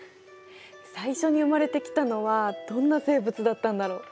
最初に生まれてきたのはどんな生物だったんだろう？